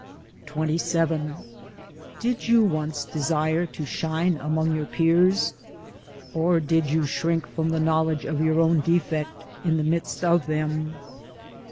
XXVII Did you once desire to shine among your peers — or did you shrink from the knowledge of your own defect in the midst of them?